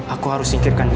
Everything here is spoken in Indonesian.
aku harus singkirkan dia